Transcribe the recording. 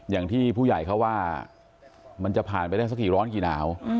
อย่างที่ผู้ใหญ่เขาว่ามันจะผ่านไปได้สักกี่ร้อนกี่หนาว